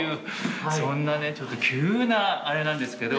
そんなねちょっと急なあれなんですけど。